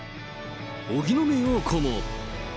荻野目洋子も。